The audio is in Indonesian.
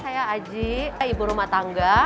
saya aji eh ibu rumah tangga